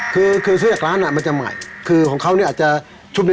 คือคือซื้อจากร้านน่ะมันจะมีอะไรคือของเขานี่ผู้เราอาจจะ